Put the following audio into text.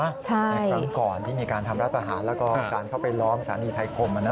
ในครั้งก่อนที่มีการทำรัฐประหารแล้วก็การเข้าไปล้อมสถานีไทยคม